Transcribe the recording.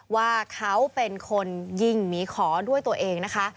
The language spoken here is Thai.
ว่าเขาเป็นคนยิงหมีขอด้วยตัวเองนะคะ